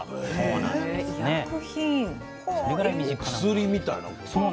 薬みたいなもの？